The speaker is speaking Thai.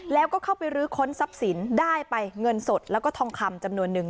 แล้วก็เข้าไปรื้อค้นทรัพย์สินได้ไปเงินสดแล้วก็ทองคำจำนวนนึง